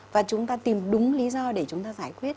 và chúng ta tìm đúng lý do để chúng ta giải quyết